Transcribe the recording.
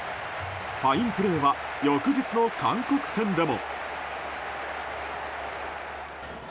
ファインプレーは翌日の韓国戦でも。